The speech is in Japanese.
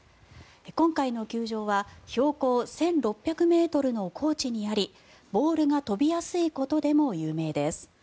今回の球場は標高１６００ｍの高地にありボールが飛びやすいことでも有名です。